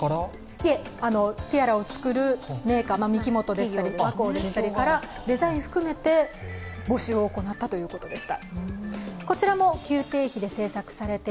いえ、ティアラを作るメーカー、ミキモトでしたり、和光でしたり、企業からデザインを含めて募集を行ったということでした。